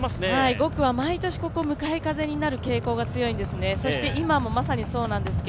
５区は毎年、ここは向かい風になる傾向が強いんですね。